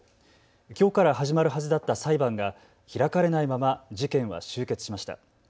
きょうから始まるはずだった裁判が開かれないまま事件は終結しました。